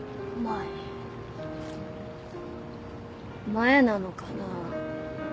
前なのかな。